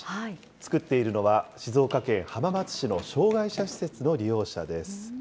作っているのは、静岡県浜松市の障害者施設の利用者です。